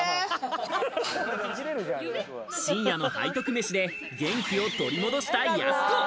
深夜の背徳めしで元気を取り戻した、やす子。